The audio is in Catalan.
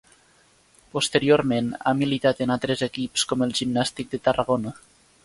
Posteriorment, ha militat en altres equips com el Gimnàstic de Tarragona.